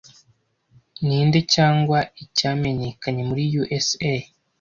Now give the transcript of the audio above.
Ninde cyangwa icyamenyekanye muri USA